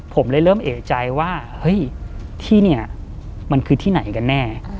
ผมเลยเริ่มเอกใจว่าเฮ้ยที่นี่มันคือที่ไหนกันแน่